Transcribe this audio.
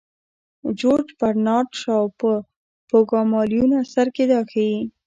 جورج برنارد شاو په پوګمالیون اثر کې دا ښيي.